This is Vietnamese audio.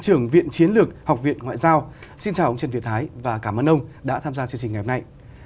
trưởng viện chiến lược học viện ngoại giao xin chào ông trần việt thái và cảm ơn ông đã tham gia chương trình ngày hôm nay